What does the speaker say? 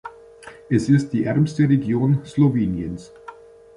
Es ist die ärmste Region Sloweniens.